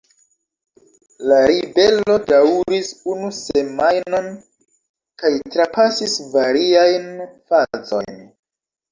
La ribelo daŭris unu semajnon kaj trapasis variajn fazojn.